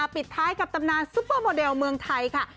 ปิดท้ายกับตำนานซุปเปอร์โมเดลเมืองไทยค่ะ